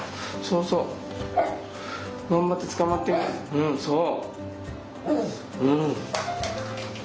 うんそう。